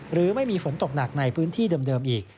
หรือไม่มีฝนตกหนักในพื้นที่เดิมอีก